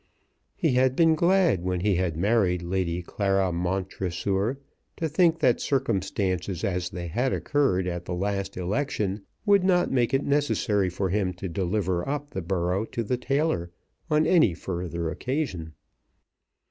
He had been glad when he married Lady Clara Mountressor to think that circumstances as they had occurred at the last election would not make it necessary for him to deliver up the borough to the tailor on any further occasion.